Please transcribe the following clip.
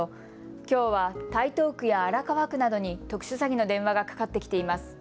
きょうは台東区や荒川区などに特殊詐欺の電話がかかってきています。